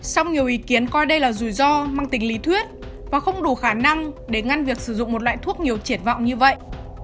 song nhiều ý kiến coi đây là rủi ro mang tính lý thuyết và không đủ khả năng để ngăn việc sử dụng một loại thuốc nhiều triển vọng như vậy